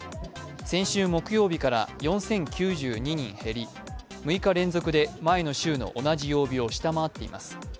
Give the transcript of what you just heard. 先週木曜日から４０９２人減り、６日連続で前の週の同じ曜日を下回っています。